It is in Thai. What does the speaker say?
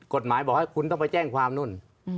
กฎหมายบอกให้คุณต้องไปแจ้งความนู่น